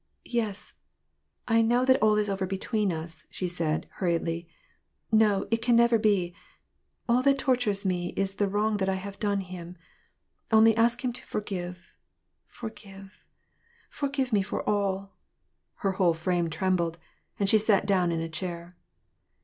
" Yes, I know that all is over between us," said she, hur riedly. "No, it can never be. All that tortures me is the wrong that I have done him. Only ask him to forgive, for give, forgive me for all "— Her whole frame trembled, and she sat down in a chair.